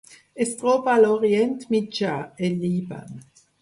Es troba a l'Orient Mitjà: el Líban.